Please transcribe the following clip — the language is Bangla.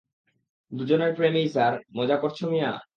দুজনের প্রেমেই স্যার, - মজা করছো মিয়া?